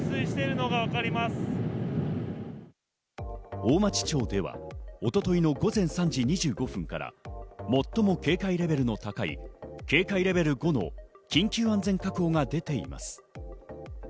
大町町では一昨日の午前３時２５分から最も警戒レベルの高い警戒レベル５の緊急安全確保が出ています。